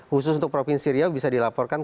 khusus untuk provinsi riau bisa dilaporkan